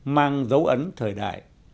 mang dấu ấn thời đại